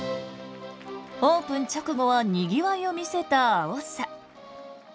オープン直後はにぎわいを見せたアオッサ。